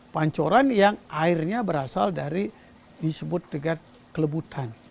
pancoran yang airnya berasal dari disebut dengan kelebutan